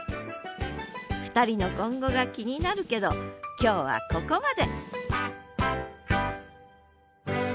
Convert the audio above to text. ２人の今後が気になるけど今日はここまで！